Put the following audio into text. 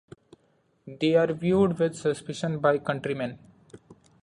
They are viewed with suspicion by most countrymen.